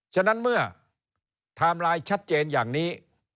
ฉะนั้นเมื่อไทม์ไลน์ชัดเจนอย่างนี้